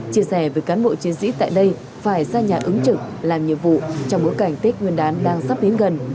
chia sẻ với cán bộ chiến sĩ tại đây phải ra nhà ứng trực làm nhiệm vụ trong bối cảnh tết nguyên đán đang sắp đến gần